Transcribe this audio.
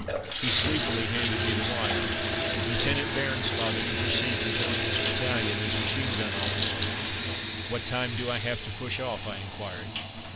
He sleepily handed me the wire: "Lieutenant Bairnsfather to proceed to join his battalion as machine gun officer...." "What time do I have to push off?" I inquired.